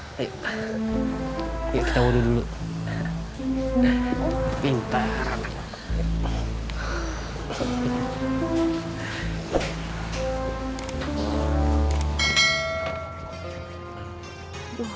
haimu ayo kita dulu dulu pinter lain high